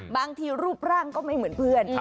รูปร่างก็ไม่เหมือนเพื่อน